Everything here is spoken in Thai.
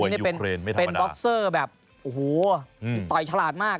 นี่เป็นบ็อกเซอร์แบบโอ้โหต่อยฉลาดมาก